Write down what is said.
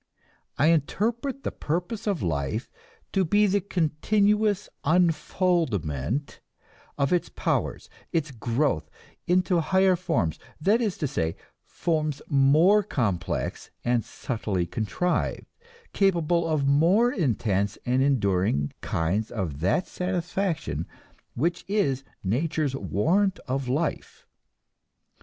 I interpret the purpose of life to be the continuous unfoldment of its powers, its growth into higher forms that is to say, forms more complex and subtly contrived, capable of more intense and enduring kinds of that satisfaction which is nature's warrant of life.